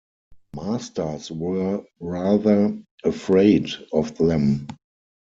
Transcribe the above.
Masters were rather afraid of them.